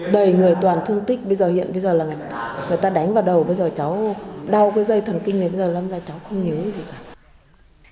đầy người toàn thương tích bây giờ hiện bây giờ là người ta đánh vào đầu bây giờ cháu đau cái dây thần kinh đến bây giờ lâm ra cháu không nhớ gì cả